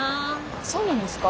そうなんですか？